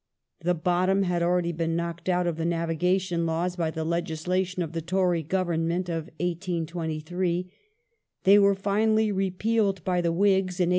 The bottom had already been knocked out of gation the Navigation Laws by the legislation of the Tory Government Laws, of 1823 ;'^ they were finally repealed by the Whigs in 1849.